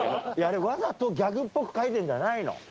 わざとギャグっぽく書いてるんじゃないの？